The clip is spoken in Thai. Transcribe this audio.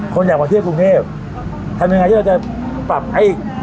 คนอยากมาเที่ยวกรุงเทพทำยังไงที่เราจะปรับให้